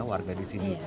warga di sini